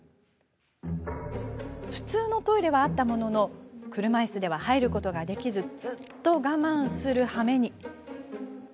普通のトイレはあったものの車いすでは入ることができずずっと我慢するはめに。